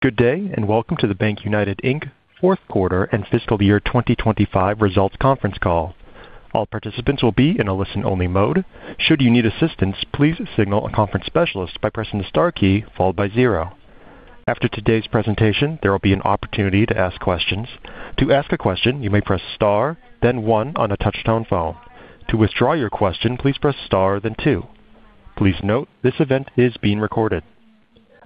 Good day and welcome to the BankUnited Inc 4th Quarter and Fiscal Year 2025 Results Conference Call. All participants will be in a listen-only mode. Should you need assistance, please signal a conference specialist by pressing the star key followed by zero. After today's presentation, there will be an opportunity to ask questions. To ask a question, you may press star, then one on a touch-tone phone. To withdraw your question, please press star, then two. Please note this event is being recorded.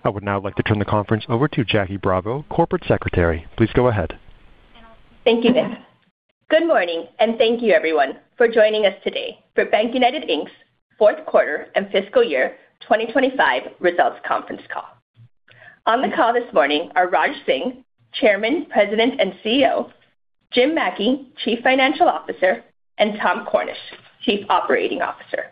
I would now like to turn the conference over to Jacqueline Bravo, Corporate Secretary. Please go ahead. Thank you, Ben. Good morning and thank you, everyone, for joining us today for BankUnited Inc's 4th Quarter and Fiscal Year 2025 Results Conference Call. On the call this morning are Raj Singh, Chairman, President, and CEO, Jim Mackey, Chief Financial Officer, and Tom Cornish, Chief Operating Officer.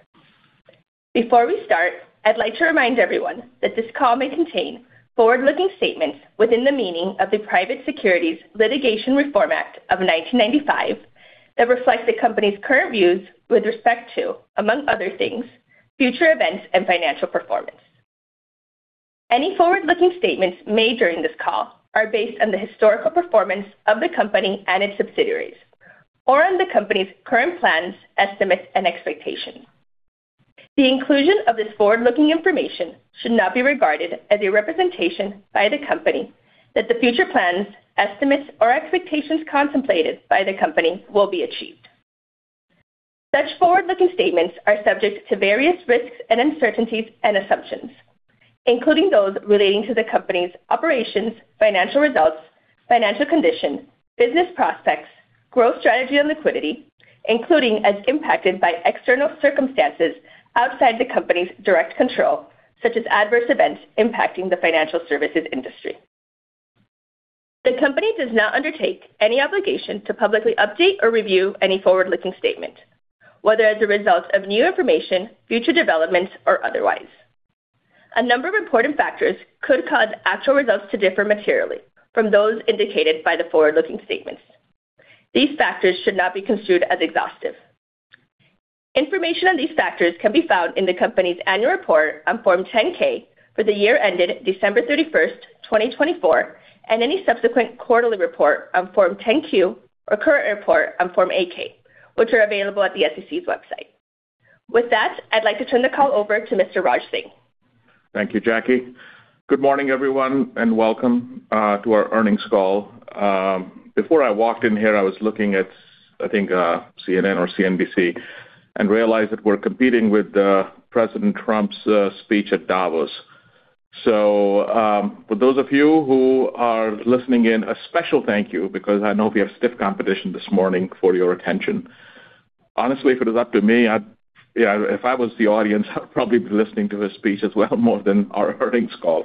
Before we start, I'd like to remind everyone that this call may contain forward-looking statements within the meaning of the Private Securities Litigation Reform Act of 1995 that reflect the company's current views with respect to, among other things, future events and financial performance. Any forward-looking statements made during this call are based on the historical performance of the company and its subsidiaries, or on the company's current plans, estimates, and expectations. The inclusion of this forward-looking information should not be regarded as a representation by the company that the future plans, estimates, or expectations contemplated by the company will be achieved. Such forward-looking statements are subject to various risks and uncertainties and assumptions, including those relating to the company's operations, financial results, financial condition, business prospects, growth strategy, and liquidity, including as impacted by external circumstances outside the company's direct control, such as adverse events impacting the financial services industry. The company does not undertake any obligation to publicly update or review any forward-looking statement, whether as a result of new information, future developments, or otherwise. A number of important factors could cause actual results to differ materially from those indicated by the forward-looking statements. These factors should not be construed as exhaustive. Information on these factors can be found in the company's annual report on Form 10-K for the year ended December 31st, 2024, and any subsequent quarterly report on Form 10-Q or current report on Form 8-K, which are available at the SEC's website. With that, I'd like to turn the call over to Mr. Raj Singh. Thank you, Jacqueline. Good morning, everyone, and welcome to our earnings call. Before I walked in here, I was looking at, I think, CNN or CNBC and realized that we're competing with President Trump's speech at Davos. So for those of you who are listening in, a special thank you because I know we have stiff competition this morning for your attention. Honestly, if it was up to me, if I was the audience, I'd probably be listening to his speech as well more than our earnings call.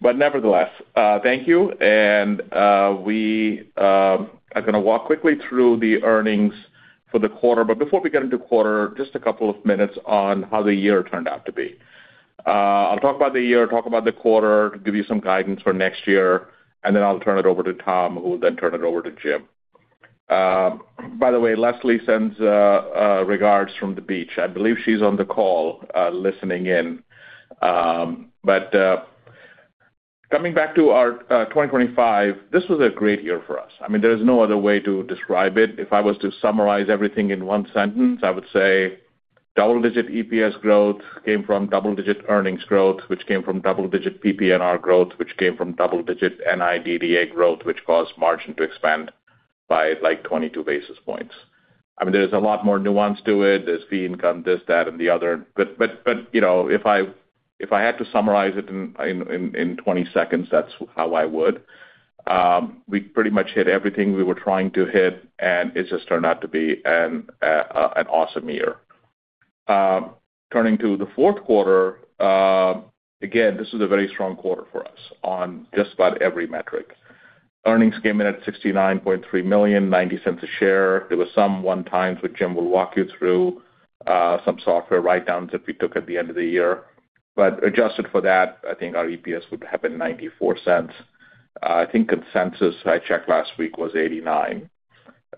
But nevertheless, thank you. And I'm going to walk quickly through the earnings for the quarter. But before we get into quarter, just a couple of minutes on how the year turned out to be. I'll talk about the year, talk about the quarter, give you some guidance for next year, and then I'll turn it over to Tom, who will then turn it over to Jim. By the way, Leslie sends regards from the beach. I believe she's on the call listening in. But coming back to our 2025, this was a great year for us. I mean, there is no other way to describe it. If I was to summarize everything in one sentence, I would say double-digit EPS growth came from double-digit earnings growth, which came from double-digit PP&R growth, which came from double-digit NIDDA growth, which caused margin to expand by like 22 basis points. I mean, there is a lot more nuance to it. There's fee income, this, that, and the other. But if I had to summarize it in 20 seconds, that's how I would. We pretty much hit everything we were trying to hit, and it just turned out to be an awesome year. Turning to the fourth quarter, again, this was a very strong quarter for us on just about every metric. Earnings came in at $69.3 million, $0.90 a share. There were some one-times, which Jim will walk you through, some software write-downs that we took at the end of the year. But adjusted for that, I think our EPS would have been $0.94. I think consensus I checked last week was $0.89.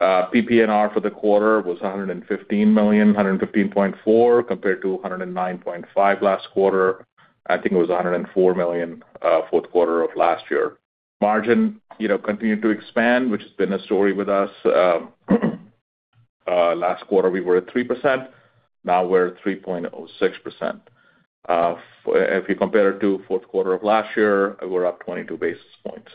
PP&R for the quarter was $115.4 million compared to $109.5 million last quarter. I think it was $104 million fourth quarter of last year. Margin continued to expand, which has been a story with us. Last quarter, we were at 3%. Now we're at 3.06%. If you compare it to fourth quarter of last year, we're up 22 basis points.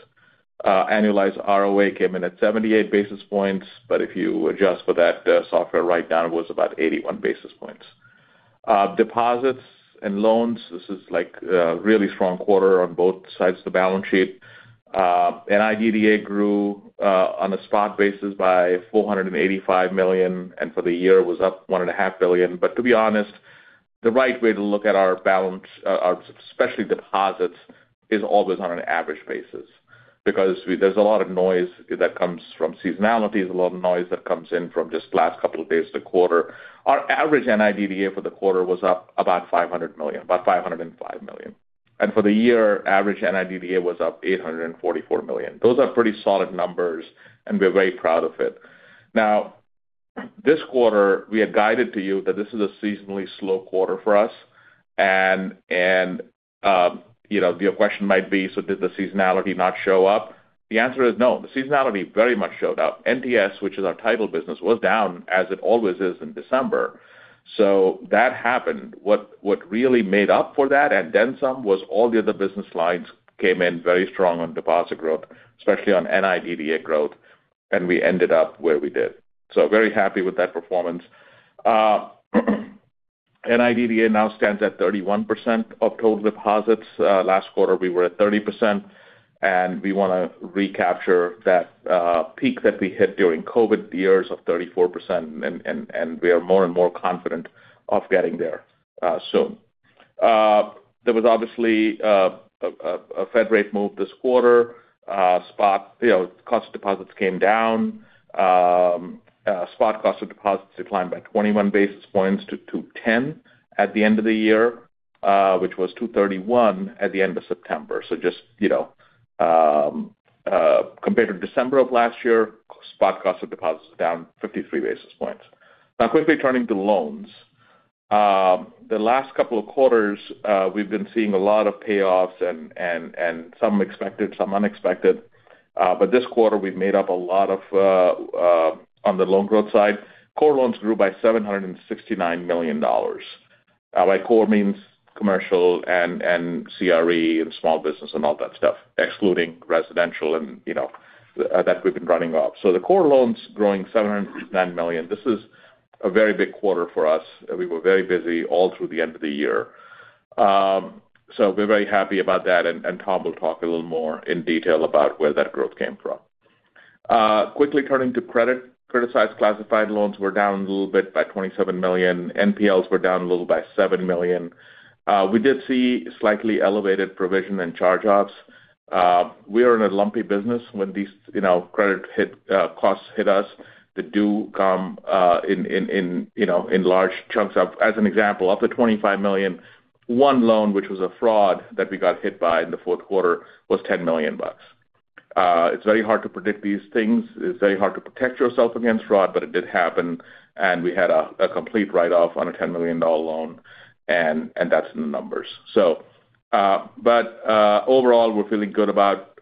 Annualized ROA came in at 78 basis points, but if you adjust for that software write-down, it was about 81 basis points. Deposits and loans, this is like a really strong quarter on both sides of the balance sheet. NIDDA grew on a spot basis by $485 million, and for the year, it was up $1.5 billion. But to be honest, the right way to look at our balance, especially deposits, is always on an average basis because there's a lot of noise that comes from seasonalities, a lot of noise that comes in from just the last couple of days of the quarter. Our average NIDDA for the quarter was up about $500 million, about $505 million. And for the year, average NIDDA was up $844 million. Those are pretty solid numbers, and we're very proud of it. Now, this quarter, we had guided to you that this is a seasonally slow quarter for us. And your question might be, "So did the seasonality not show up?" The answer is no. The seasonality very much showed up. NTS, which is our title business, was down, as it always is in December. So that happened. What really made up for that and then some was all the other business lines came in very strong on deposit growth, especially on NIDDA growth, and we ended up where we did. So very happy with that performance. NIDDA now stands at 31% of total deposits. Last quarter, we were at 30%, and we want to recapture that peak that we hit during COVID years of 34%, and we are more and more confident of getting there soon. There was obviously a Fed rate move this quarter. Cost of deposits came down. Spot cost of deposits declined by 21 basis points to 2.10 at the end of the year, which was 2.31 at the end of September. So just compared to December of last year, spot cost of deposits is down 53 basis points. Now, quickly turning to loans, the last couple of quarters, we've been seeing a lot of payoffs and some expected, some unexpected. But this quarter, we've made up a lot on the loan growth side. Core loans grew by $769 million. By core means commercial and CRE and small business and all that stuff, excluding residential and that we've been running off. So the core loans growing $769 million, this is a very big quarter for us. We were very busy all through the end of the year. We're very happy about that, and Tom will talk a little more in detail about where that growth came from. Quickly turning to credit, criticized classified loans were down a little bit by $27 million. NPLs were down a little by $7 million. We did see slightly elevated provision and charge-offs. We are in a lumpy business when these credit costs hit us. They do come in large chunks. As an example, of the $25 million, one loan, which was a fraud that we got hit by in the fourth quarter, was $10 million bucks. It's very hard to predict these things. It's very hard to protect yourself against fraud, but it did happen, and we had a complete write-off on a $10 million loan, and that's in the numbers. But overall, we're feeling good about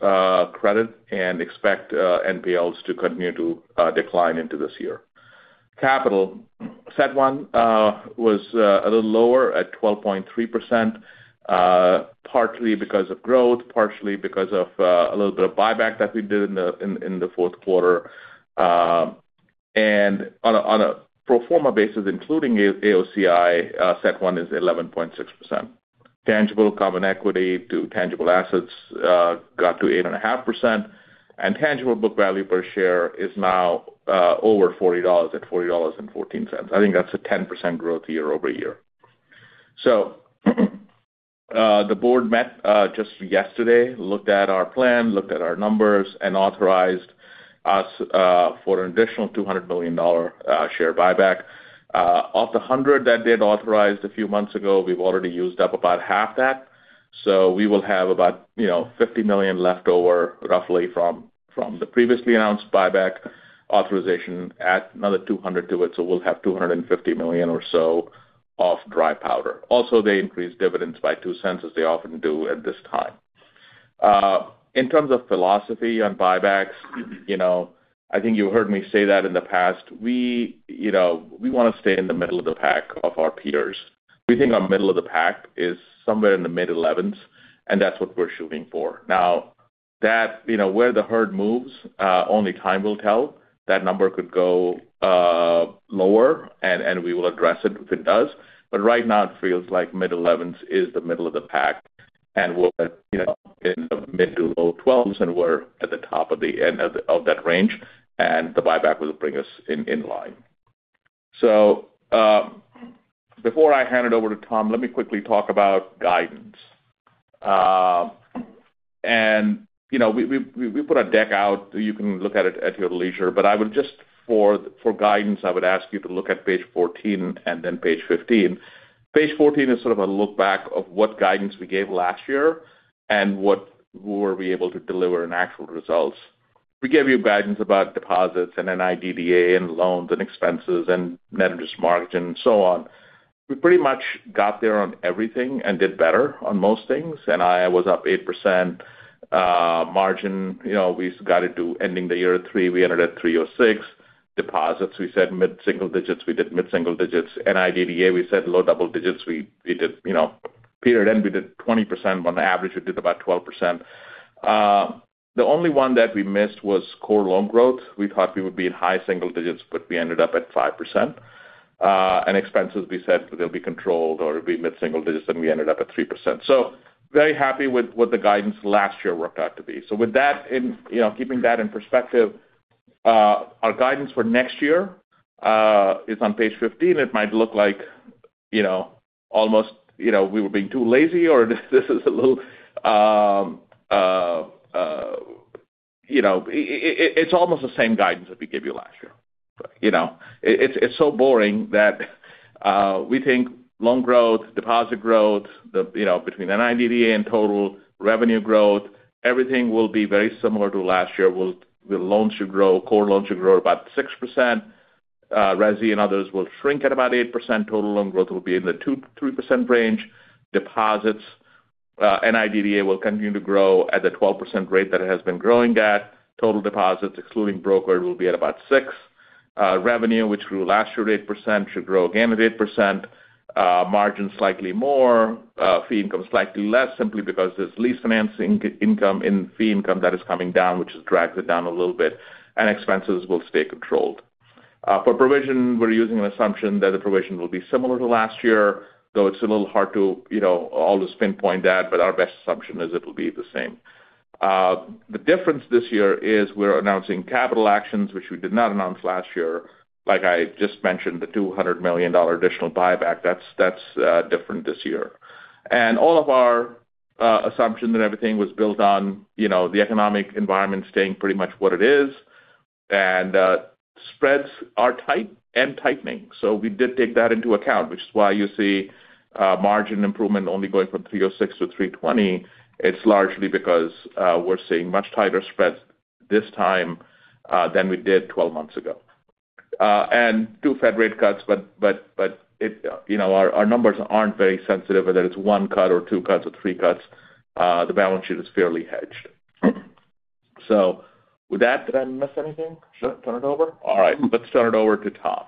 credit and expect NPLs to continue to decline into this year. Capital, CET1, was a little lower at 12.3%, partly because of growth, partially because of a little bit of buyback that we did in the fourth quarter. And on a pro forma basis, including AOCI, CET1 is 11.6%. Tangible common equity to tangible assets got to 8.5%, and tangible book value per share is now over $40 at $40.14. I think that's a 10% growth year over year. So the board met just yesterday, looked at our plan, looked at our numbers, and authorized us for an additional $200 million share buyback. Of the 100 that they had authorized a few months ago, we've already used up about half that. So we will have about 50 million left over, roughly, from the previously announced buyback authorization add another 200 to it. So we'll have 250 million or so of dry powder. Also, they increased dividends by $0.02, as they often do at this time. In terms of philosophy on buybacks, I think you heard me say that in the past. We want to stay in the middle of the pack of our peers. We think our middle of the pack is somewhere in the mid-11s, and that's what we're shooting for. Now, where the herd moves, only time will tell. That number could go lower, and we will address it if it does. But right now, it feels like mid-11s is the middle of the pack, and we're in the mid to low 12s, and we're at the top of the end of that range, and the buyback will bring us in line. So before I hand it over to Tom, let me quickly talk about guidance, and we put a deck out. You can look at it at your leisure. But just for guidance, I would ask you to look at page 14 and then page 15. Page 14 is sort of a look back of what guidance we gave last year and what we were able to deliver in actual results. We gave you guidance about deposits and NIDDA and loans and expenses and net interest margin and so on. We pretty much got there on everything and did better on most things. And NIM was up 8%. We guided to ending the year at 3%. We ended at 3.06%. Deposits, we said mid-single digits. We did mid-single digits. NIDDA, we said low double digits. We did period end, we did 20%. On average, we did about 12%. The only one that we missed was core loan growth. We thought we would be in high single digits, but we ended up at 5%. And expenses, we said they'll be controlled or it'd be mid-single digits, and we ended up at 3%. So very happy with what the guidance last year worked out to be. So with that, keeping that in perspective, our guidance for next year is on page 15. It might look like almost we were being too lazy, or this is a little, it's almost the same guidance that we gave you last year. It's so boring that we think loan growth, deposit growth between NIDDA and total revenue growth, everything will be very similar to last year. Loans should grow. Core loans should grow about 6%. Resi and others will shrink at about 8%. Total loan growth will be in the 2%-3% range. Deposits, NIDDA will continue to grow at the 12% rate that it has been growing at. Total deposits, excluding broker, will be at about 6%. Revenue, which grew last year at 8%, should grow again at 8%. Margin slightly more, fee income slightly less, simply because there's lease financing income and fee income that is coming down, which has dragged it down a little bit, and expenses will stay controlled. For provision, we're using an assumption that the provision will be similar to last year, though it's a little hard to always pinpoint that, but our best assumption is it will be the same. The difference this year is we're announcing capital actions, which we did not announce last year. Like I just mentioned, the $200 million additional buyback, that's different this year. And all of our assumptions and everything was built on the economic environment staying pretty much what it is. And spreads are tight and tightening. So we did take that into account, which is why you see margin improvement only going from 306-320. It's largely because we're seeing much tighter spreads this time than we did 12 months ago. And two Fed rate cuts, but our numbers aren't very sensitive, whether it's one cut or two cuts or three cuts. The balance sheet is fairly hedged. So with that, did I miss anything? Should I turn it over? All right. Let's turn it over to Tom.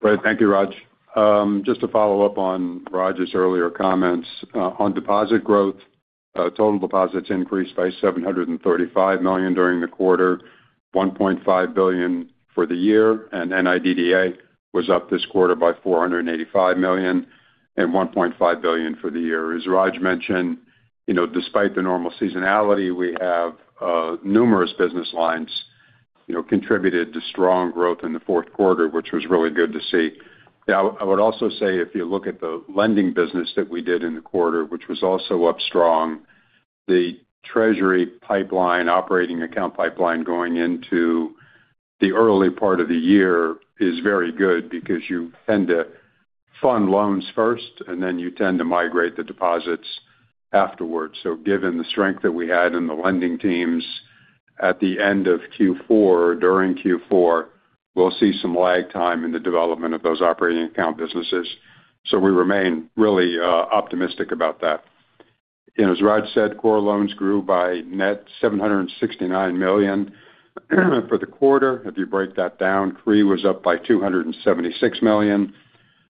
Great. Thank you, Raj. Just to follow up on Raj's earlier comments, on deposit growth, total deposits increased by $735 million during the quarter, $1.5 billion for the year, and NIDDA was up this quarter by $485 million and $1.5 billion for the year. As Raj mentioned, despite the normal seasonality, we have numerous business lines contributed to strong growth in the fourth quarter, which was really good to see. I would also say, if you look at the lending business that we did in the quarter, which was also up strong, the treasury pipeline, operating account pipeline going into the early part of the year is very good because you tend to fund loans first, and then you tend to migrate the deposits afterwards. So given the strength that we had in the lending teams at the end of Q4, during Q4, we'll see some lag time in the development of those operating account businesses. So we remain really optimistic about that. As Raj said, core loans grew by net $769 million for the quarter. If you break that down, CRE was up by $276 million.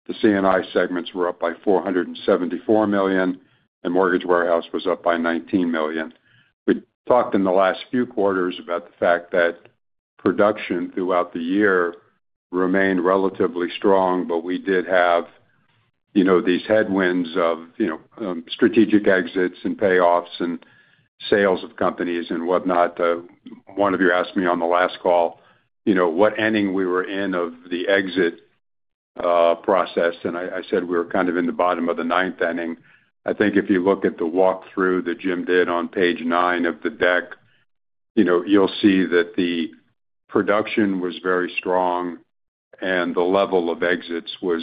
The C&I segments were up by $474 million, and mortgage warehouse was up by $19 million. We talked in the last few quarters about the fact that production throughout the year remained relatively strong, but we did have these headwinds of strategic exits and payoffs and sales of companies and whatnot. One of you asked me on the last call what inning we were in of the exit process, and I said we were kind of in the bottom of the ninth inning. I think if you look at the walkthrough that Jim did on page nine of the deck, you'll see that the production was very strong, and the level of exits was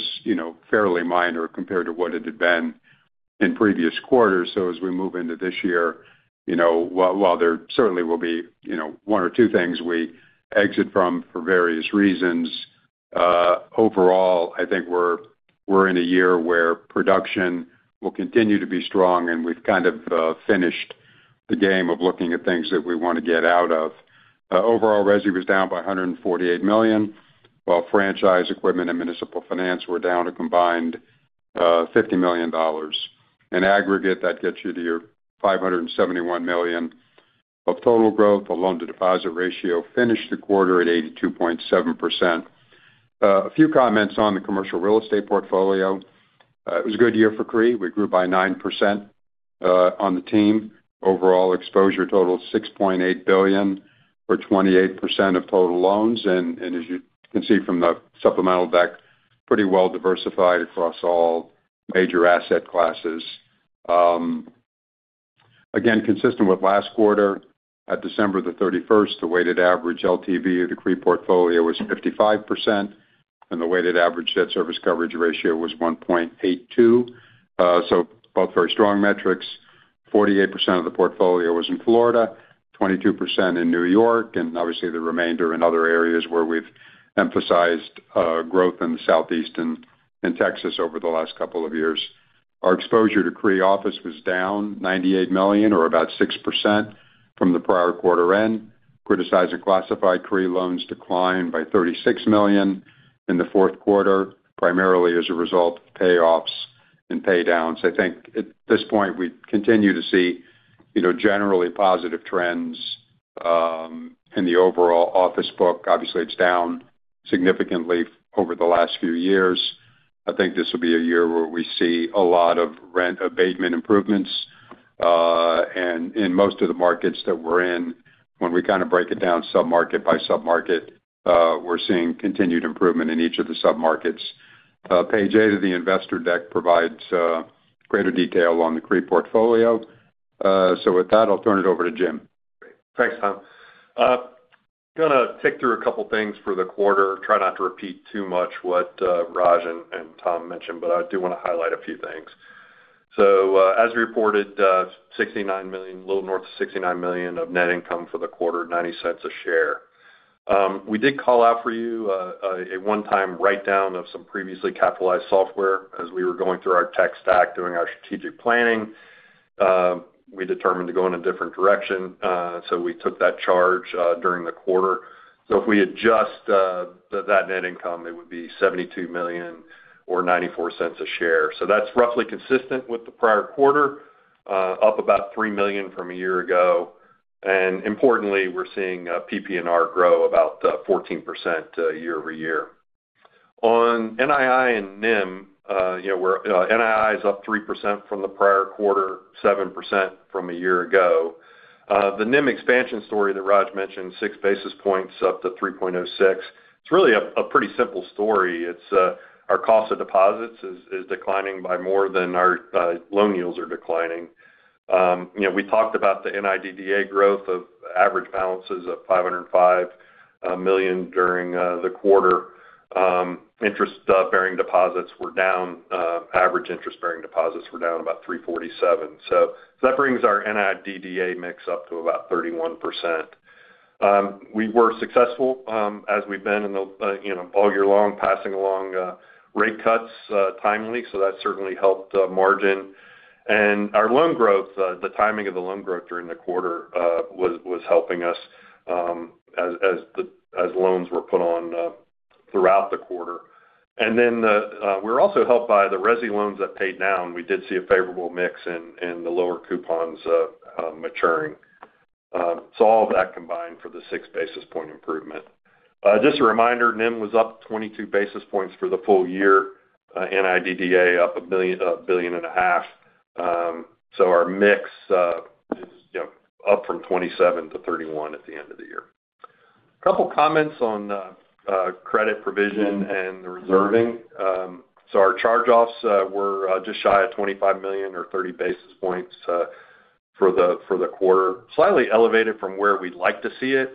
fairly minor compared to what it had been in previous quarters. So as we move into this year, while there certainly will be one or two things we exit from for various reasons, overall, I think we're in a year where production will continue to be strong, and we've kind of finished the game of looking at things that we want to get out of. Overall, Resi was down by $148 million, while franchise equipment and municipal finance were down to combined $50 million. In aggregate, that gets you to your $571 million of total growth. The loan-to-deposit ratio finished the quarter at 82.7%. A few comments on the commercial real estate portfolio. It was a good year for CRE. We grew by 9% on the team. Overall exposure total of $6.8 billion for 28% of total loans. As you can see from the supplemental deck, pretty well diversified across all major asset classes. Again, consistent with last quarter, at December 31st, the weighted average LTV of the CRE portfolio was 55%, and the weighted average debt service coverage ratio was 1.82. Both very strong metrics. 48% of the portfolio was in Florida, 22% in New York, and obviously the remainder in other areas where we've emphasized growth in the Southeast and Texas over the last couple of years. Our exposure to CRE office was down $98 million, or about 6%, from the prior quarter end. Criticized and classified CRE loans declined by $36 million in the fourth quarter, primarily as a result of payoffs and paydowns. I think at this point, we continue to see generally positive trends in the overall office book. Obviously, it's down significantly over the last few years. I think this will be a year where we see a lot of rent abatement improvements. And in most of the markets that we're in, when we kind of break it down sub-market by sub-market, we're seeing continued improvement in each of the sub-markets. Page 8 of the investor deck provides greater detail on the CRE portfolio. So with that, I'll turn it over to Jim. Thanks, Tom. I'm going to walk through a couple of things for the quarter. Try not to repeat too much what Raj and Tom mentioned, but I do want to highlight a few things. So as reported, $69 million, a little north of $69 million of net income for the quarter, $0.90 a share. We did call out for you a one-time write-down of some previously capitalized software as we were going through our tech stack, doing our strategic planning. We determined to go in a different direction, so we took that charge during the quarter. So if we adjust that net income, it would be $72 million or $0.94 a share. So that's roughly consistent with the prior quarter, up about $3 million from a year ago. And importantly, we're seeing PP&R grow about 14% year over year. On NII and NIM, NII is up 3% from the prior quarter, 7% from a year ago. The NIM expansion story that Raj mentioned, 6 basis points up to 3.06. It's really a pretty simple story. Our cost of deposits is declining by more than our loan yields are declining. We talked about the NIDDA growth of average balances of $505 million during the quarter. Interest-bearing deposits were down. Average interest-bearing deposits were down about $347 million. So that brings our NIDDA mix up to about 31%. We were successful as we've been all year long, passing along rate cuts timely. So that certainly helped margin. And our loan growth, the timing of the loan growth during the quarter was helping us as loans were put on throughout the quarter. And then we were also helped by the Resi loans that paid down. We did see a favorable mix in the lower coupons maturing. So all of that combined for the 6 basis point improvement. Just a reminder, NIM was up 22 basis points for the full year. NIDDA up $1.5 billion. So our mix is up from 27%-31% at the end of the year. A couple of comments on credit provision and the reserving, so our charge-offs were just shy of $25 million or 30 basis points for the quarter. Slightly elevated from where we'd like to see it.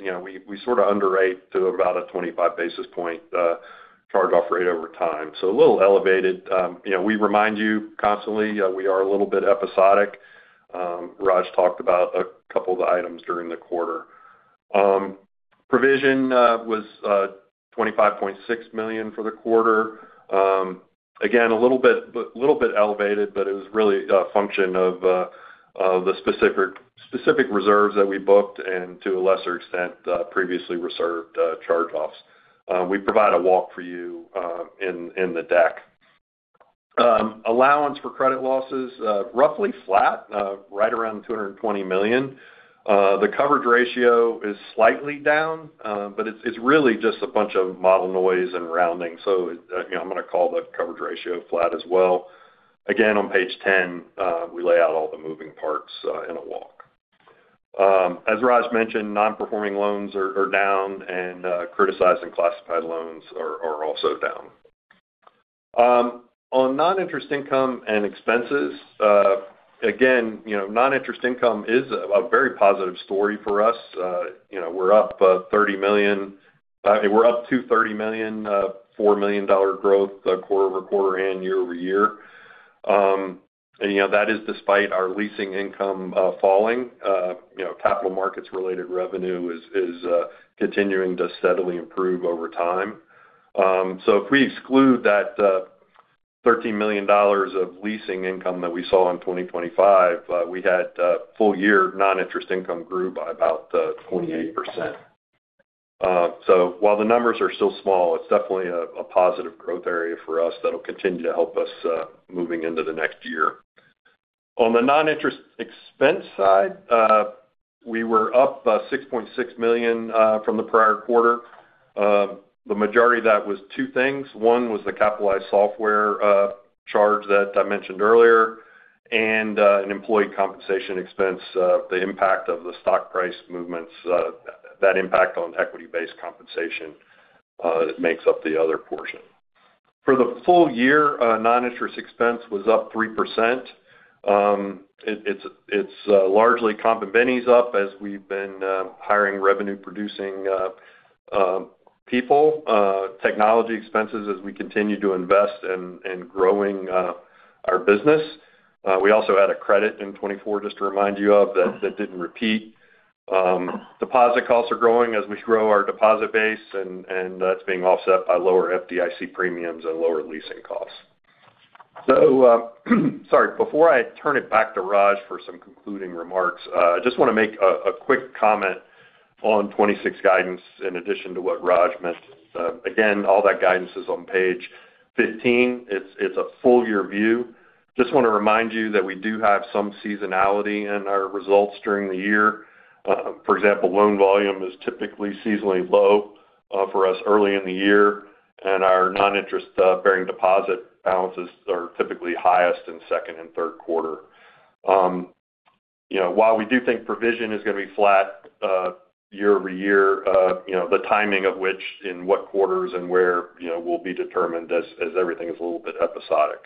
We sort of underrate to about a 25 basis point charge-off rate over time, so a little elevated. We remind you constantly we are a little bit episodic. Raj talked about a couple of items during the quarter. Provision was $25.6 million for the quarter. Again, a little bit elevated, but it was really a function of the specific reserves that we booked and to a lesser extent previously reserved charge-offs. We provide a walk for you in the deck. Allowance for credit losses, roughly flat, right around $220 million. The coverage ratio is slightly down, but it's really just a bunch of model noise and rounding. So I'm going to call the coverage ratio flat as well. Again, on page 10, we lay out all the moving parts in a walk. As Raj mentioned, non-performing loans are down, and criticized and classified loans are also down. On non-interest income and expenses, again, non-interest income is a very positive story for us. We're up $30 million. We're up to $30 million, $4 million growth quarter over quarter, and year over year. And that is despite our leasing income falling. Capital markets-related revenue is continuing to steadily improve over time. So if we exclude that $13 million of leasing income that we saw in 2025, we had full-year non-interest income grew by about 28%. So while the numbers are still small, it's definitely a positive growth area for us that will continue to help us moving into the next year. On the non-interest expense side, we were up $6.6 million from the prior quarter. The majority of that was two things. One was the capitalized software charge that I mentioned earlier, and an employee compensation expense, the impact of the stock price movements, that impact on equity-based compensation makes up the other portion. For the full-year, non-interest expense was up 3%. It's largely comp and benes up as we've been hiring revenue-producing people. Technology expenses as we continue to invest in growing our business. We also had a credit in 2024, just to remind you of, that didn't repeat. Deposit costs are growing as we grow our deposit base, and that's being offset by lower FDIC premiums and lower leasing costs. So sorry, before I turn it back to Raj for some concluding remarks, I just want to make a quick comment on '26 guidance in addition to what Raj mentioned. Again, all that guidance is on page 15. It's a full-year view. Just want to remind you that we do have some seasonality in our results during the year. For example, loan volume is typically seasonally low for us early in the year, and our non-interest-bearing deposit balances are typically highest in second and third quarter. While we do think provision is going to be flat year over year, the timing of which in what quarters and where will be determined as everything is a little bit episodic.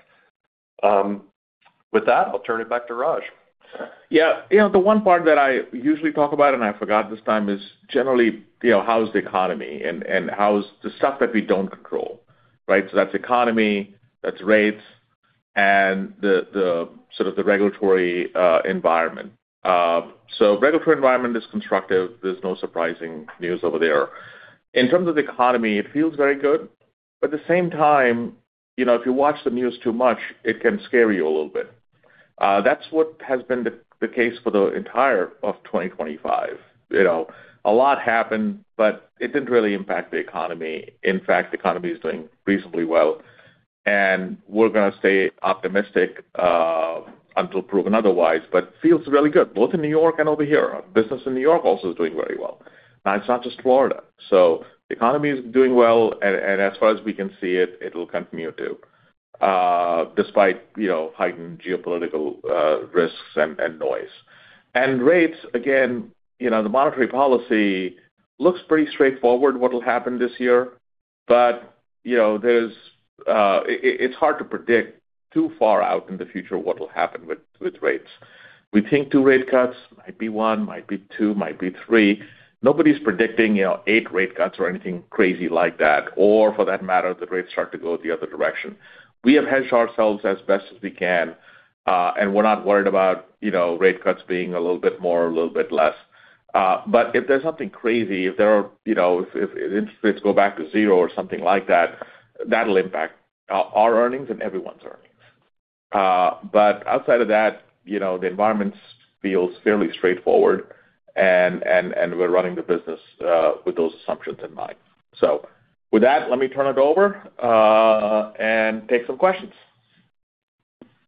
With that, I'll turn it back to Raj. Yeah. The one part that I usually talk about, and I forgot this time, is generally how's the economy and how's the stuff that we don't control, right? So that's economy, that's rates, and sort of the regulatory environment. So regulatory environment is constructive. There's no surprising news over there. In terms of the economy, it feels very good. At the same time, if you watch the news too much, it can scare you a little bit. That's what has been the case for the entirety of 2025. A lot happened, but it didn't really impact the economy. In fact, the economy is doing reasonably well, and we're going to stay optimistic until proven otherwise, but feels really good. Both in New York and over here, business in New York also is doing very well. Now, it's not just Florida. So the economy is doing well, and as far as we can see it, it will continue to, despite heightened geopolitical risks and noise. And rates, again, the monetary policy looks pretty straightforward what will happen this year, but it's hard to predict too far out in the future what will happen with rates. We think two rate cuts, might be one, might be two, might be three. Nobody's predicting eight rate cuts or anything crazy like that, or for that matter, the rates start to go the other direction. We have hedged ourselves as best as we can, and we're not worried about rate cuts being a little bit more, a little bit less. But if there's something crazy, if interest rates go back to zero or something like that, that'll impact our earnings and everyone's earnings. But outside of that, the environment feels fairly straightforward, and we're running the business with those assumptions in mind. So with that, let me turn it over and take some questions.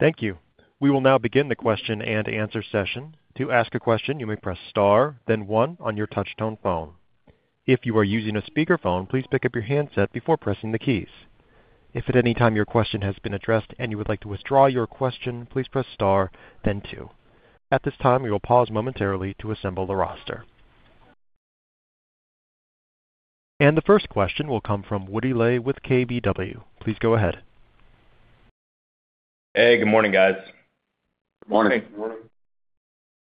Thank you. We will now begin the question and answer session. To ask a question, you may press star, then one on your touch-tone phone. If you are using a speakerphone, please pick up your handset before pressing the keys. If at any time your question has been addressed and you would like to withdraw your question, please press star, then two. At this time, we will pause momentarily to assemble the roster. And the first question will come from Woody Lay with KBW. Please go ahead. Hey, good morning, guys. Good morning.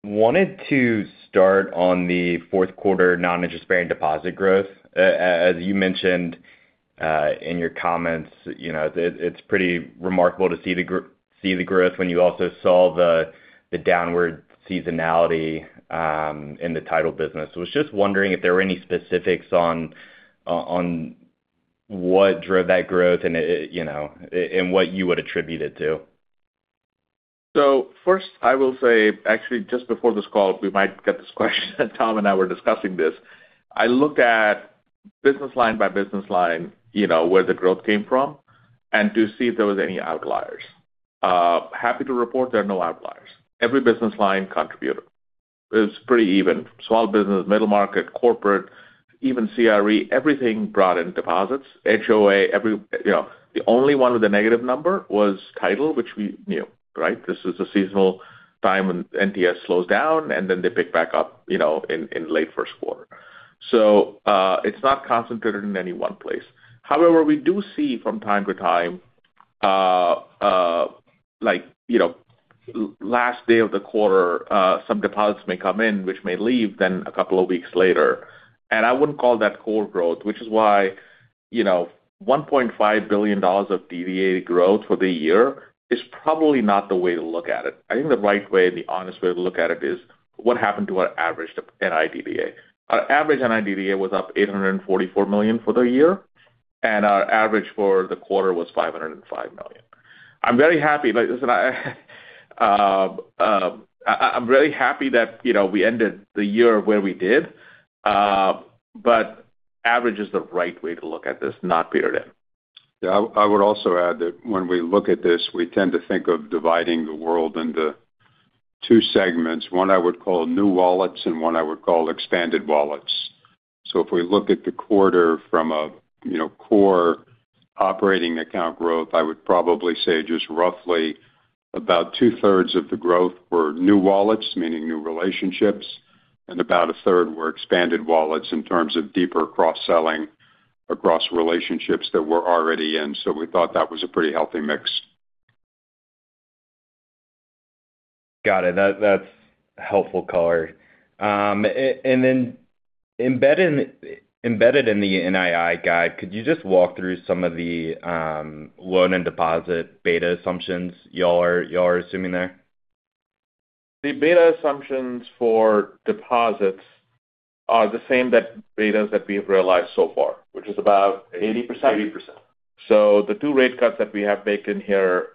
Wanted to start on the fourth quarter non-interest-bearing deposit growth. As you mentioned in your comments, it's pretty remarkable to see the growth when you also saw the downward seasonality in the title business. I was just wondering if there were any specifics on what drove that growth and what you would attribute it to. First, I will say, actually, just before this call, we might get this question. Tom and I were discussing this. I looked at business line by business line where the growth came from and to see if there were any outliers. Happy to report there are no outliers. Every business line contributed. It's pretty even. Small business, middle market, corporate, even CRE, everything brought in deposits. HOA, the only one with a negative number was title, which we knew, right? This is a seasonal time when NTS slows down, and then they pick back up in late first quarter. So it's not concentrated in any one place. However, we do see from time to time, last day of the quarter, some deposits may come in, which may leave then a couple of weeks later. And I wouldn't call that core growth, which is why $1.5 billion of DDA growth for the year is probably not the way to look at it. I think the right way, the honest way to look at it is what happened to our average NIDDA. Our average NIDDA was up $844 million for the year, and our average for the quarter was $505 million. I'm very happy. I'm very happy that we ended the year where we did, but average is the right way to look at this, not period end. Yeah. I would also add that when we look at this, we tend to think of dividing the world into two segments. One I would call new wallets and one I would call expanded wallets. So if we look at the quarter from a core operating account growth, I would probably say just roughly about two-thirds of the growth were new wallets, meaning new relationships, and about a third were expanded wallets in terms of deeper cross-selling across relationships that we're already in. So we thought that was a pretty healthy mix. Got it. That's helpful color. And then embedded in the NII guide, could you just walk through some of the loan and deposit beta assumptions y'all are assuming there? The beta assumptions for deposits are the same beta that we've realized so far, which is about 80%. 80%. So the two rate cuts that we have baked in here,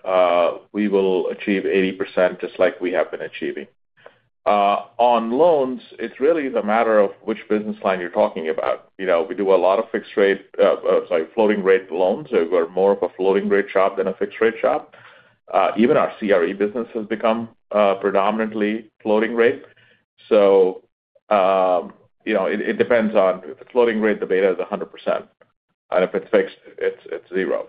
we will achieve 80% just like we have been achieving. On loans, it's really a matter of which business line you're talking about. We do a lot of fixed rate sorry, floating rate loans. We're more of a floating rate shop than a fixed rate shop. Even our CRE business has become predominantly floating rate. It depends on if the floating rate, the beta is 100%. And if it's fixed, it's zero.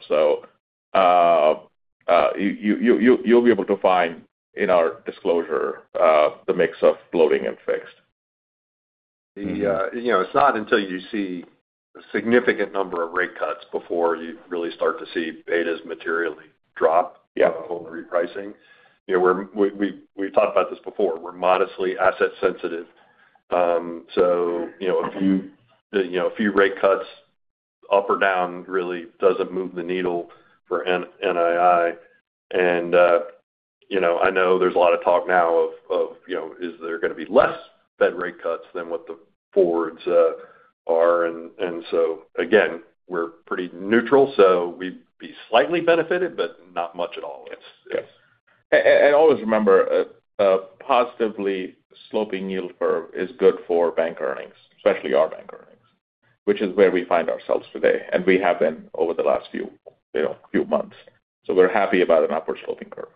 You'll be able to find in our disclosure the mix of floating and fixed. It's not until you see a significant number of rate cuts before you really start to see betas materially drop on the repricing. We've talked about this before. We're modestly asset-sensitive. A few rate cuts up or down really doesn't move the needle for NII. I know there's a lot of talk now of, is there going to be less Fed rate cuts than what the boards are? And so again, we're pretty neutral. So we'd be slightly benefited, but not much at all. Yes. And always remember, a positively sloping yield curve is good for bank earnings, especially our bank earnings, which is where we find ourselves today. And we have been over the last few months. So we're happy about an upward sloping curve.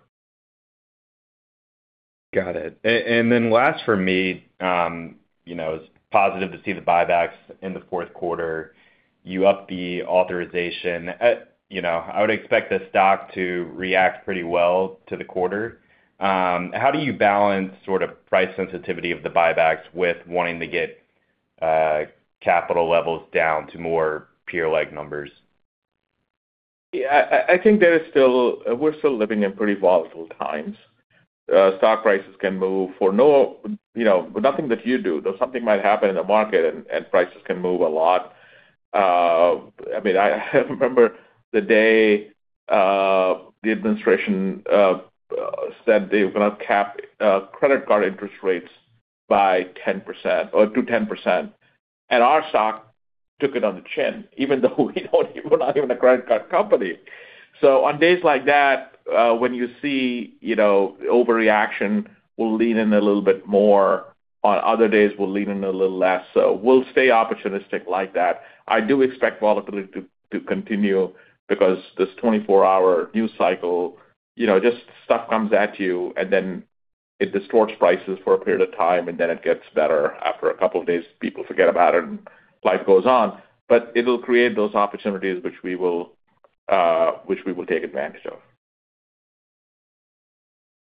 Got it. And then last for me, it's positive to see the buybacks in the fourth quarter. You upped the authorization. I would expect the stock to react pretty well to the quarter. How do you balance sort of price sensitivity of the buybacks with wanting to get capital levels down to more peer-like numbers? Yeah. I think we're still living in pretty volatile times. Stock prices can move for nothing that you do. Something might happen in the market, and prices can move a lot. I mean, I remember the day the administration said they were going to cap credit card interest rates by 10% or to 10%, and our stock took it on the chin, even though we're not even a credit card company, so on days like that, when you see overreaction, we'll lean in a little bit more. On other days, we'll lean in a little less, so we'll stay opportunistic like that. I do expect volatility to continue because this 24-hour news cycle, just stuff comes at you, and then it distorts prices for a period of time, and then it gets better. After a couple of days, people forget about it, and life goes on, but it'll create those opportunities which we will take advantage of.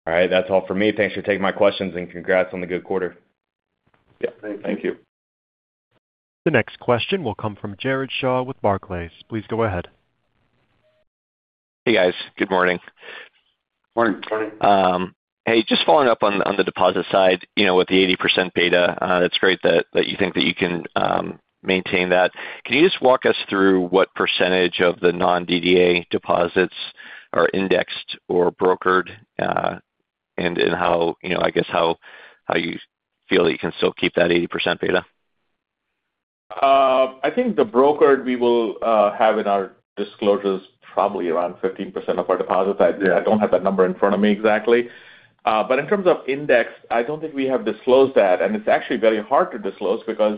All right. That's all for me. Thanks for taking my questions and congrats on the good quarter. Yeah. Thank you. The next question will come from Jared Shaw with Barclays. Please go ahead. Hey, guys. Good morning. Morning. Morning. Hey, just following up on the deposit side with the 80% beta, it's great that you think that you can maintain that. Can you just walk us through what percentage of the non-DDA deposits are indexed or brokered and I guess how you feel that you can still keep that 80% beta? I think the brokered we will have in our disclosures probably around 15% of our deposits. I don't have that number in front of me exactly. But in terms of index, I don't think we have disclosed that. And it's actually very hard to disclose because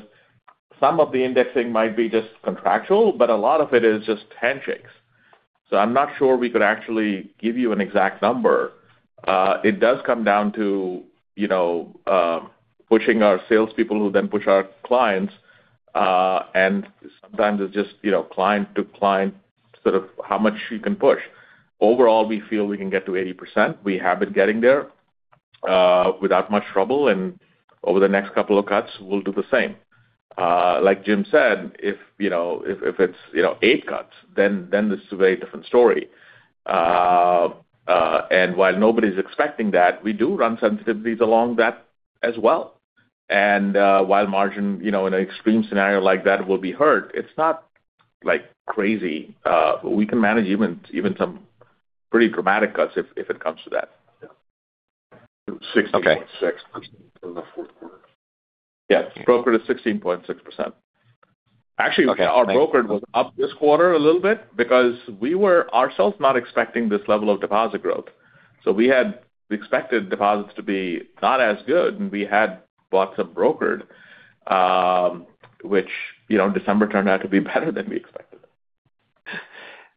some of the indexing might be just contractual, but a lot of it is just handshakes. So I'm not sure we could actually give you an exact number. It does come down to pushing our salespeople who then push our clients. And sometimes it's just client to client, sort of, how much you can push. Overall, we feel we can get to 80%. We have been getting there without much trouble. And over the next couple of cuts, we'll do the same. Like Jim said, if it's eight cuts, then this is a very different story. And while nobody's expecting that, we do run sensitivities along that as well. And while margin in an extreme scenario like that will be hurt, it's not crazy. We can manage even some pretty dramatic cuts if it comes to that. 60.6% in the fourth quarter. Yeah. Brokered is 16.6%. Actually, our brokered was up this quarter a little bit because we were ourselves not expecting this level of deposit growth. So, we expected deposits to be not as good, and we had lots of brokered, which December turned out to be better than we expected.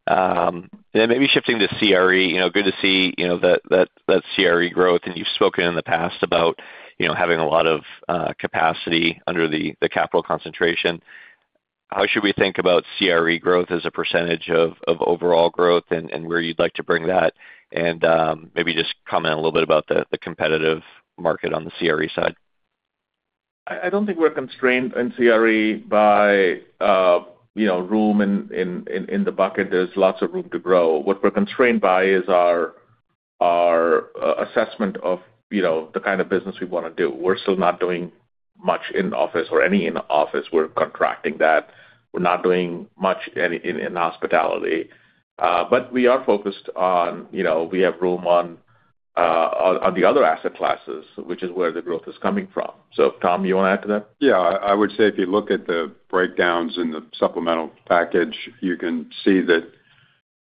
And then, maybe shifting to CRE, good to see that CRE growth. And you've spoken in the past about having a lot of capacity under the capital concentration. How should we think about CRE growth as a percentage of overall growth and where you'd like to bring that? And maybe just comment a little bit about the competitive market on the CRE side. I don't think we're constrained in CRE by room in the bucket. There's lots of room to grow. What we're constrained by is our assessment of the kind of business we want to do. We're still not doing much in-office or any in-office. We're contracting that. We're not doing much in hospitality. But we are focused on, we have room on the other asset classes, which is where the growth is coming from. So Tom, you want to add to that? Yeah. I would say if you look at the breakdowns in the supplemental package, you can see that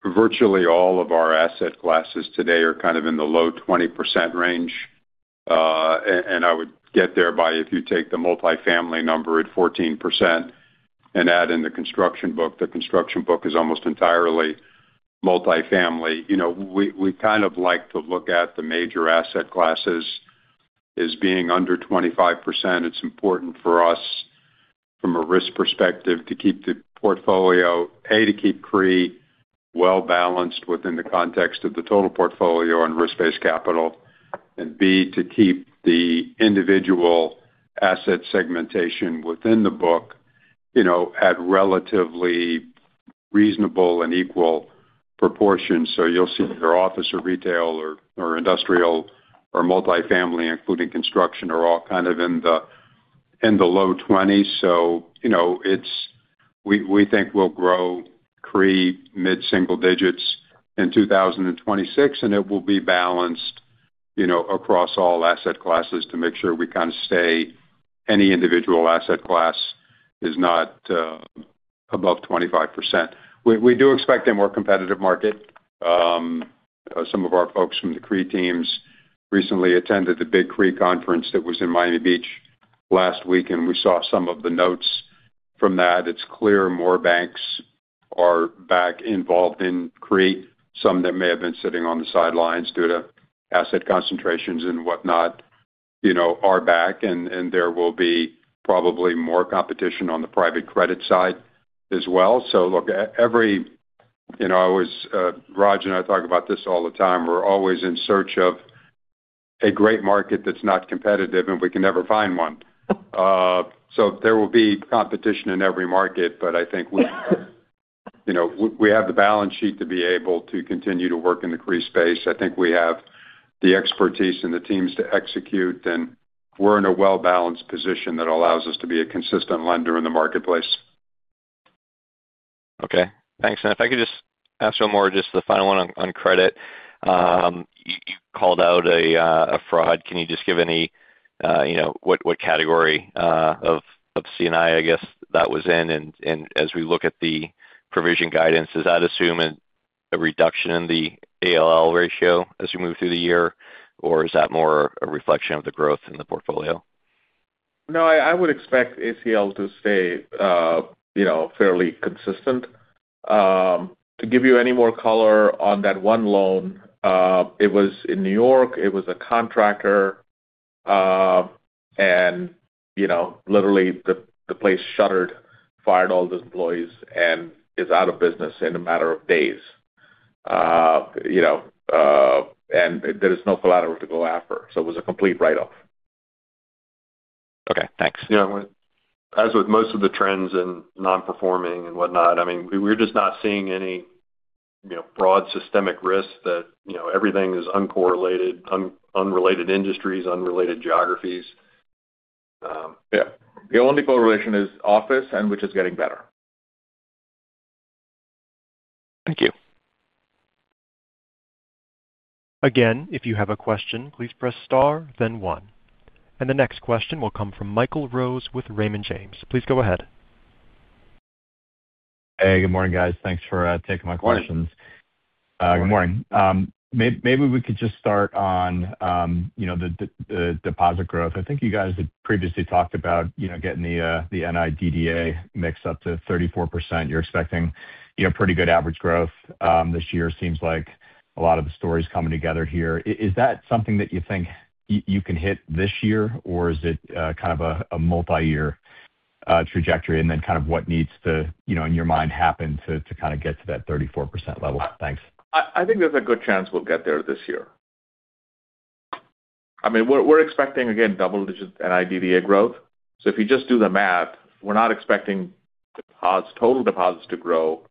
virtually all of our asset classes today are kind of in the low 20% range. And I would get there by, if you take the multifamily number at 14% and add in the construction book. The construction book is almost entirely multifamily. We kind of like to look at the major asset classes as being under 25%. It's important for us, from a risk perspective, to keep the portfolio, A, to keep CRE well-balanced within the context of the total portfolio and risk-based capital, and B, to keep the individual asset segmentation within the book at relatively reasonable and equal proportions. So you'll see your office or retail or industrial or multifamily, including construction, are all kind of in the low 20s. So we think we'll grow CRE mid-single digits in 2026, and it will be balanced across all asset classes to make sure we kind of stay any individual asset class is not above 25%. We do expect a more competitive market. Some of our folks from the CRE teams recently attended the Big CREFC Conference that was in Miami Beach last week, and we saw some of the notes from that. It's clear more banks are back involved in CRE. Some that may have been sitting on the sidelines due to asset concentrations and whatnot are back, and there will be probably more competition on the private credit side as well. So look, every I always Raj and I talk about this all the time. We're always in search of a great market that's not competitive, and we can never find one. So there will be competition in every market, but I think we have the balance sheet to be able to continue to work in the CRE space. I think we have the expertise and the teams to execute, and we're in a well-balanced position that allows us to be a consistent lender in the marketplace. Okay. Thanks. And if I could just ask one more, just the final one on credit. You called out a fraud. Can you just give any what category of C&I, I guess, that was in? And as we look at the provision guidance, does that assume a reduction in the ALL ratio as we move through the year, or is that more a reflection of the growth in the portfolio? No, I would expect ACL to stay fairly consistent. To give you any more color on that one loan, it was in New York. It was a contractor, and literally, the place shuttered, fired all the employees, and is out of business in a matter of days. And there is no collateral to go after. So it was a complete write-off. Okay. Thanks. Yeah. As with most of the trends and non-performing and whatnot, I mean, we're just not seeing any broad systemic risk that everything is uncorrelated, unrelated industries, unrelated geographies. Yeah. The only correlation is office, which is getting better. Thank you. Again, if you have a question, please press star, then one. And the next question will come from Michael Rose with Raymond James. Please go ahead. Hey, good morning, guys. Thanks for taking my questions. Good morning. Maybe we could just start on the deposit growth. I think you guys had previously talked about getting the NIDDA mix up to 34%. You're expecting pretty good average growth this year, seems like. A lot of the stories coming together here. Is that something that you think you can hit this year, or is it kind of a multi-year trajectory? And then kind of what needs to, in your mind, happen to kind of get to that 34% level? Thanks. I think there's a good chance we'll get there this year. I mean, we're expecting, again, double-digit NIDDA growth. So if you just do the math, we're not expecting total deposits to grow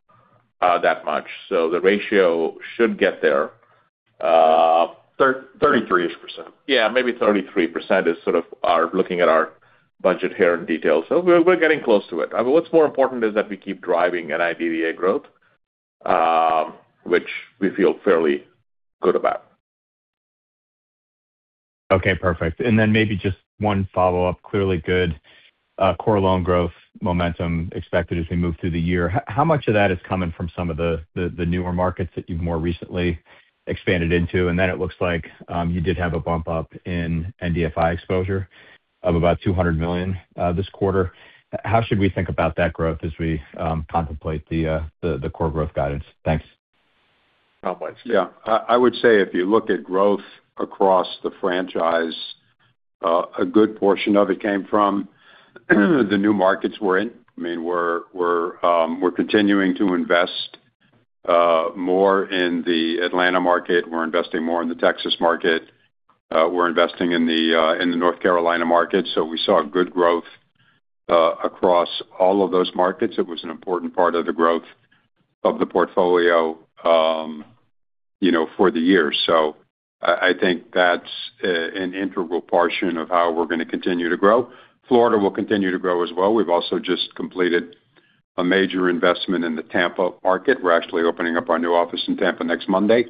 that much. So the ratio should get there. 33-ish%. Yeah. Maybe 33% is sort of our looking at our budget here in detail. So we're getting close to it. I mean, what's more important is that we keep driving NIDDA growth, which we feel fairly good about. Okay. Perfect. And then maybe just one follow-up. Clearly good core loan growth momentum expected as we move through the year. How much of that is coming from some of the newer markets that you've more recently expanded into? And then it looks like you did have a bump up in NDFI exposure of about $200 million this quarter. How should we think about that growth as we contemplate the core growth guidance? Thanks. Yeah. I would say if you look at growth across the franchise, a good portion of it came from the new markets we're in. I mean, we're continuing to invest more in the Atlanta market. We're investing more in the Texas market. We're investing in the North Carolina market. So we saw good growth across all of those markets. It was an important part of the growth of the portfolio for the year. So I think that's an integral portion of how we're going to continue to grow. Florida will continue to grow as well. We've also just completed a major investment in the Tampa market. We're actually opening up our new office in Tampa next Monday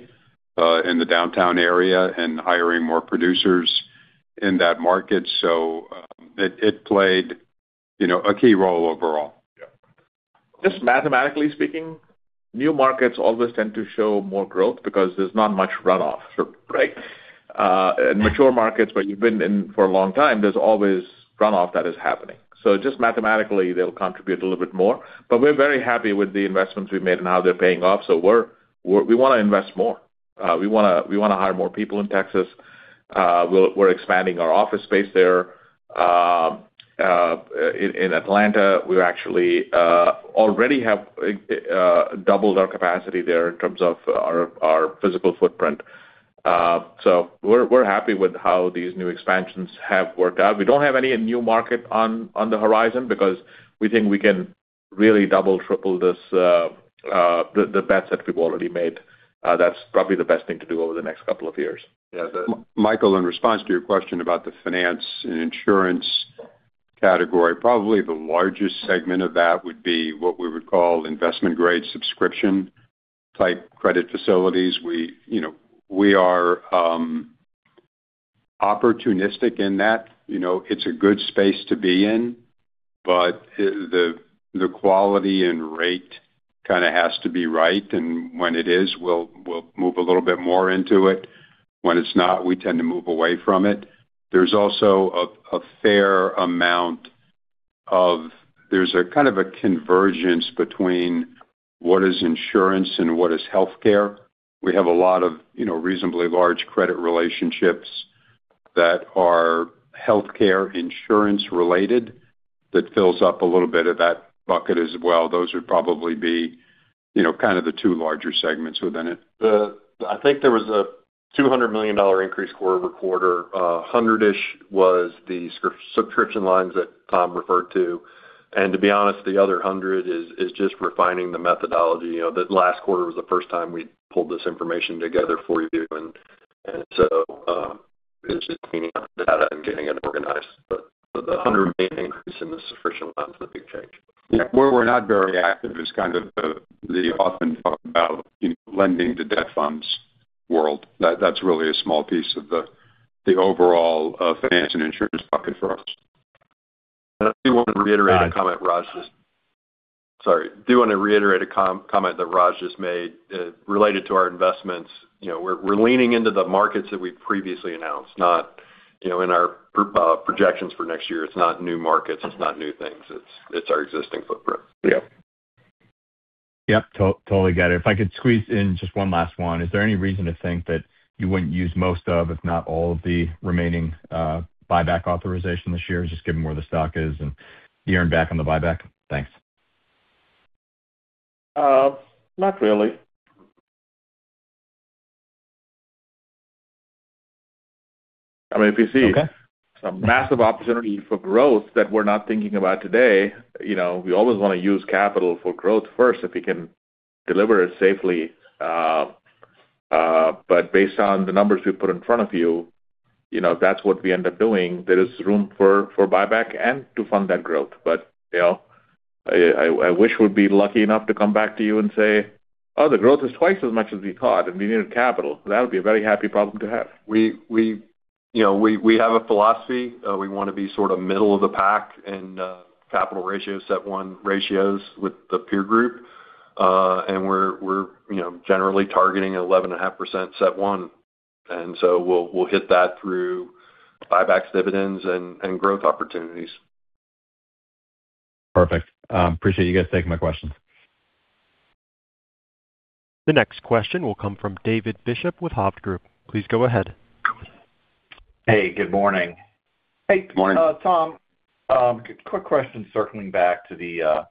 in the downtown area and hiring more producers in that market. So it played a key role overall. Just mathematically speaking, new markets always tend to show more growth because there's not much runoff. And mature markets where you've been in for a long time, there's always runoff that is happening. So just mathematically, they'll contribute a little bit more. But we're very happy with the investments we made and how they're paying off. So we want to invest more. We want to hire more people in Texas. We're expanding our office space there. In Atlanta, we actually already have doubled our capacity there in terms of our physical footprint. So we're happy with how these new expansions have worked out. We don't have any new market on the horizon because we think we can really double, triple the bets that we've already made. That's probably the best thing to do over the next couple of years. Yeah. Michael, in response to your question about the finance and insurance category, probably the largest segment of that would be what we would call investment-grade subscription-type credit facilities. We are opportunistic in that. It's a good space to be in, but the quality and rate kind of has to be right, and when it is, we'll move a little bit more into it. When it's not, we tend to move away from it. There's also a fair amount of a kind of a convergence between what is insurance and what is healthcare. We have a lot of reasonably large credit relationships that are healthcare insurance-related that fills up a little bit of that bucket as well. Those would probably be kind of the two larger segments within it. I think there was a $200 million increase quarter over quarter. 100-ish was the subscription lines that Tom referred to. And to be honest, the other 100 is just refining the methodology. The last quarter was the first time we pulled this information together for you. And so it's just cleaning up the data and getting it organized. But the hundred million increase in the subscription lines is a big change. Yeah. Where we're not very active is kind of the often talked about lending to debt funds world. That's really a small piece of the overall finance and insurance bucket for us. I do want to reiterate a comment, Raj. Sorry. Do you want to reiterate a comment that Raj just made related to our investments? We're leaning into the markets that we previously announced. In our projections for next year, it's not new markets. It's not new things. It's our existing footprint. Yeah. Yep. Totally get it. If I could squeeze in just one last one, is there any reason to think that you wouldn't use most of, if not all, of the remaining buyback authorization this year? Just given where the stock is and the earned back on the buyback? Thanks. Not really. I mean, if you see some massive opportunity for growth that we're not thinking about today, we always want to use capital for growth first if we can deliver it safely. But based on the numbers we put in front of you, if that's what we end up doing, there is room for buyback and to fund that growth. But I wish we'd be lucky enough to come back to you and say, "Oh, the growth is twice as much as we thought, and we needed capital." That would be a very happy problem to have. We have a philosophy. We want to be sort of middle of the pack in capital ratios, set-one ratios with the peer group. And we're generally targeting 11.5% set-one. And so we'll hit that through buybacks, dividends, and growth opportunities. Perfect. Appreciate you guys taking my questions. The next question will come from David Bishop with Hovde Group. Please go ahead. Hey. Good morning. Hey. Good morning. Tom, quick question circling back to the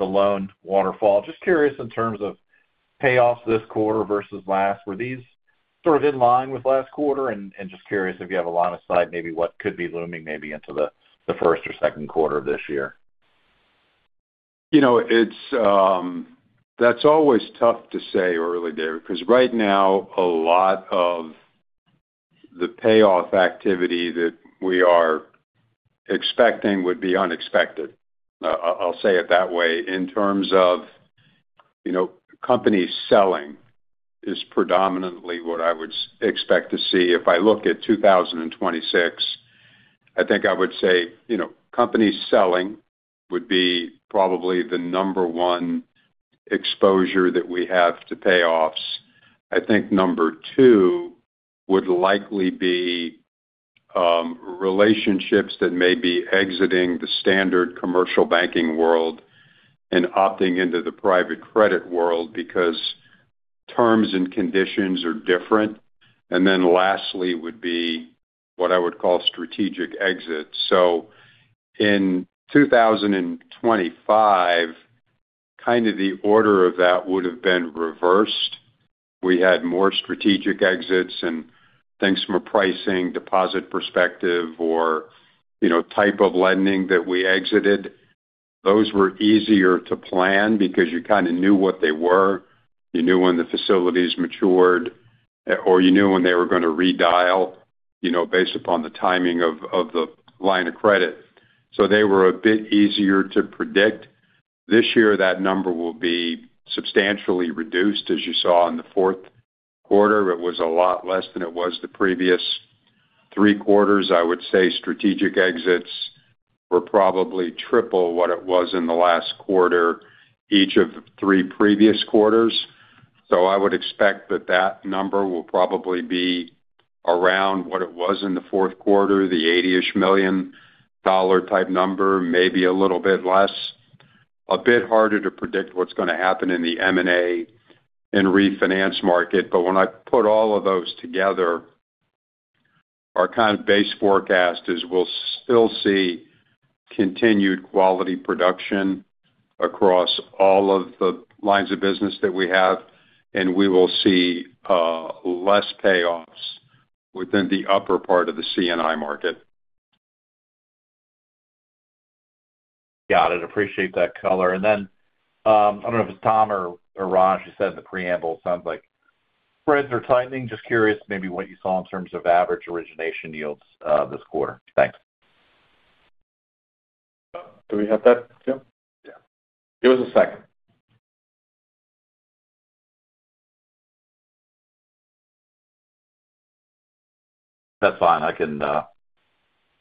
loan waterfall. Just curious in terms of payoffs this quarter versus last. Were these sort of in line with last quarter? And just curious if you have a line of sight, maybe what could be looming maybe into the first or second quarter of this year. That's always tough to say early, David, because right now, a lot of the payoff activity that we are expecting would be unexpected. I'll say it that way. In terms of companies selling is predominantly what I would expect to see. If I look at 2026, I think I would say companies selling would be probably the number one exposure that we have to payoffs. I think number two would likely be relationships that may be exiting the standard commercial banking world and opting into the private credit world because terms and conditions are different. And then lastly would be what I would call strategic exits. So in 2025, kind of the order of that would have been reversed. We had more strategic exits and things from a pricing, deposit perspective, or type of lending that we exited. Those were easier to plan because you kind of knew what they were. You knew when the facilities matured, or you knew when they were going to renewal based upon the timing of the line of credit. So they were a bit easier to predict. This year, that number will be substantially reduced, as you saw in the fourth quarter. It was a lot less than it was the previous three quarters. I would say strategic exits were probably triple what it was in the last quarter, each of the three previous quarters. So I would expect that that number will probably be around what it was in the fourth quarter, the $80 million-ish type number, maybe a little bit less. A bit harder to predict what's going to happen in the M&A and refinance market. But when I put all of those together, our kind of base forecast is we'll still see continued quality production across all of the lines of business that we have, and we will see less payoffs within the upper part of the C&I market. Got it. Appreciate that, color. And then I don't know if it's Tom or Raj who said in the preamble, it sounds like spreads are tightening. Just curious maybe what you saw in terms of average origination yields this quarter. Thanks. Do we have that, Jim? Yeah. Give us a second. That's fine. I can log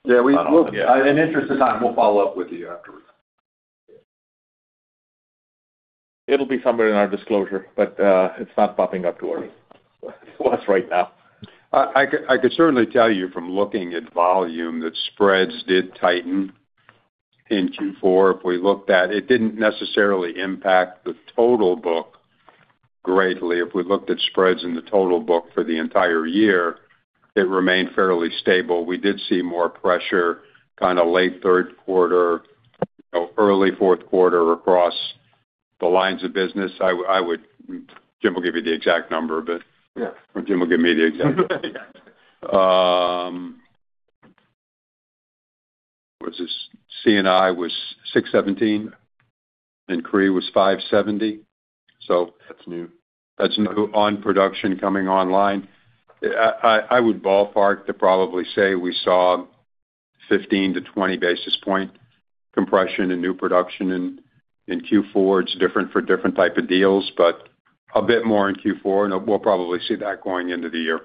in. Yeah. In the interest of time, we'll follow up with you afterwards. It'll be somewhere in our disclosure, but it's not popping up to us right now. I could certainly tell you from looking at volume that spreads did tighten in Q4. If we looked at it, it didn't necessarily impact the total book greatly. If we looked at spreads in the total book for the entire year, it remained fairly stable. We did see more pressure kind of late third quarter, early fourth quarter across the lines of business. Jim will give you the exact number, but Jim will give me the exact number. C&I was 617, and CRE was 570. So that's new. That's new on production coming online. I would ballpark to probably say we saw 15-20 basis points compression in new production in Q4. It's different for different type of deals, but a bit more in Q4. And we'll probably see that going into the year.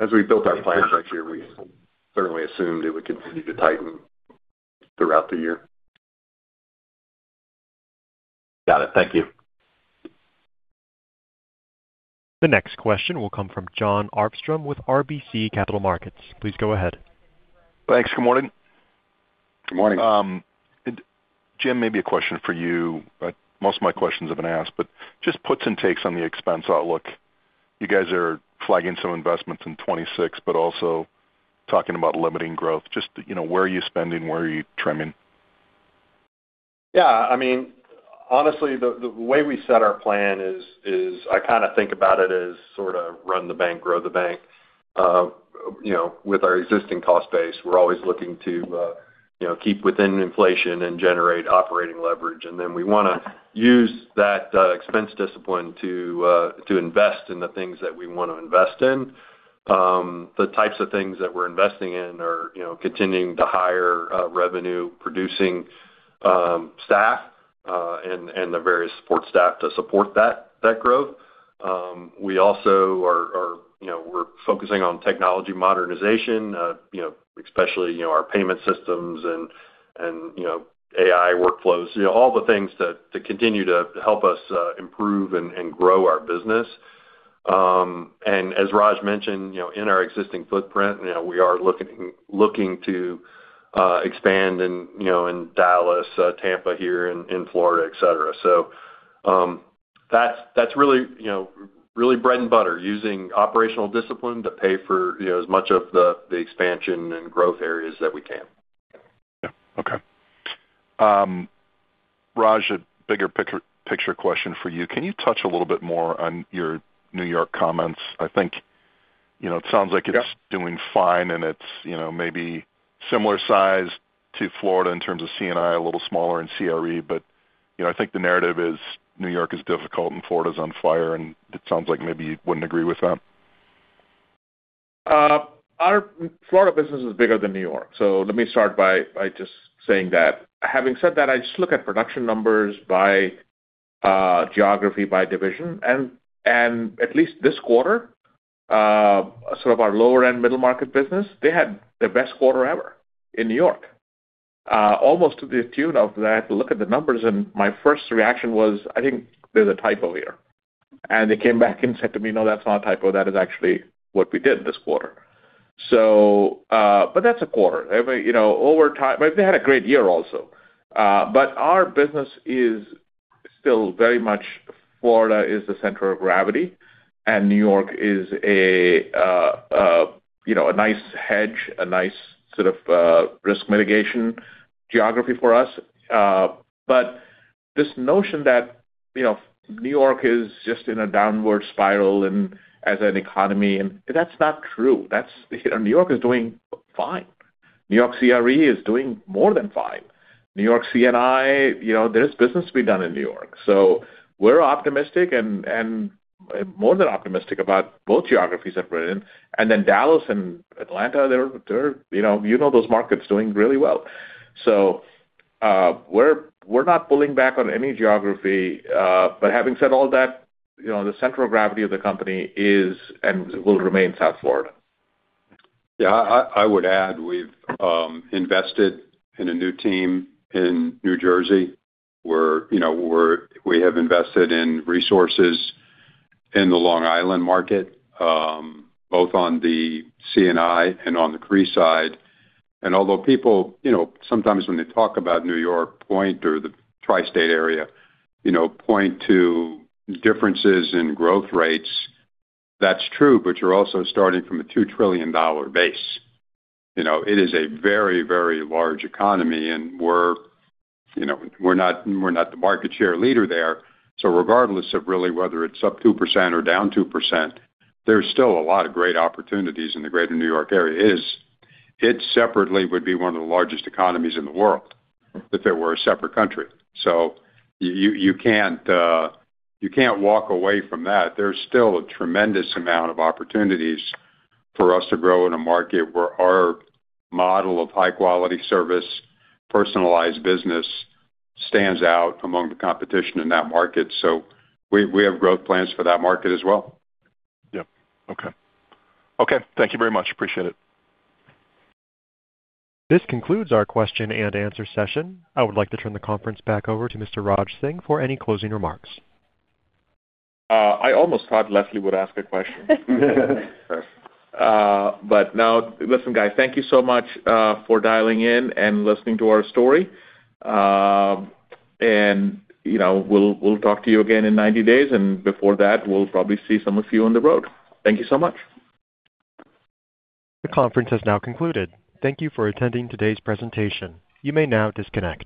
As we built our plan for next year, we certainly assumed it would continue to tighten throughout the year. Got it. Thank you. The next question will come from Jon Arfstrom with RBC Capital Markets. Please go ahead. Thanks. Good morning. Good morning. Jim, maybe a question for you. Most of my questions have been asked, but just puts and takes on the expense outlook. You guys are flagging some investments in 2026, but also talking about limiting growth. Just where are you spending? Where are you trimming? Yeah. I mean, honestly, the way we set our plan is I kind of think about it as sort of run the bank, grow the bank. With our existing cost base, we're always looking to keep within inflation and generate operating leverage. And then we want to use that expense discipline to invest in the things that we want to invest in. The types of things that we're investing in are continuing to hire revenue-producing staff, and the various support staff to support that growth. We also are focusing on technology modernization, especially our payment systems and AI workflows, all the things to continue to help us improve and grow our business. And as Raj mentioned, in our existing footprint, we are looking to expand in Dallas, Tampa here, and Florida, etc. So that's really bread and butter, using operational discipline to pay for as much of the expansion and growth areas that we can. Yeah. Okay. Raj, a bigger picture question for you. Can you touch a little bit more on your New York comments? I think it sounds like it's doing fine, and it's maybe similar size to Florida in terms of C&I, a little smaller in CRE. But I think the narrative is New York is difficult and Florida's on fire, and it sounds like maybe you wouldn't agree with that. Florida business is bigger than New York. So let me start by just saying that. Having said that, I just look at production numbers by geography, by division. And at least this quarter, sort of our lower-end middle-market business, they had their best quarter ever in New York, almost to the tune of that. Look at the numbers, and my first reaction was, "I think there's a typo here." And they came back and said to me, "No, that's not a typo. That is actually what we did this quarter." But that's a quarter. Over time, they had a great year also. But our business is still very much, Florida is the center of gravity, and New York is a nice hedge, a nice sort of risk mitigation geography for us. But this notion that New York is just in a downward spiral as an economy, and that's not true. New York is doing fine. New York CRE is doing more than fine. New York C&I, there is business to be done in New York. So we're optimistic and more than optimistic about both geographies that we're in. And then Dallas and Atlanta, you know those markets doing really well. We're not pulling back on any geography. But having said all that, the center of gravity of the company is and will remain South Florida. Yeah. I would add we've invested in a new team in New Jersey. We have invested in resources in the Long Island market, both on the C&I and on the CRE side. And although people sometimes when they talk about New York or the Tri-State area, point to differences in growth rates, that's true, but you're also starting from a $2 trillion base. It is a very, very large economy, and we're not the market share leader there. So regardless of really whether it's up 2% or down 2%, there's still a lot of great opportunities in the greater New York area. It separately would be one of the largest economies in the world if it were a separate country. So you can't walk away from that. There's still a tremendous amount of opportunities for us to grow in a market where our model of high-quality service, personalized business stands out among the competition in that market. So we have growth plans for that market as well. Yep. Okay. Okay. Thank you very much. Appreciate it. This concludes our question and answer session. I would like to turn the conference back over to Mr. Raj Singh for any closing remarks. I almost thought Leslie would ask a question. But now, listen, guys, thank you so much for dialing in and listening to our story. And we'll talk to you again in 90 days. And before that, we'll probably see some of you on the road. Thank you so much. The conference has now concluded. Thank you for attending today's presentation. You may now disconnect.